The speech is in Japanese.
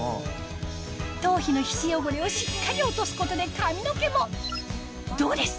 頭皮の皮脂汚れをしっかり落とすことで髪の毛もどうです？